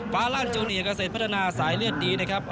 ฟ้าลั่นจูเนียเกษตรพัฒนาสายเลือดดีนะครับ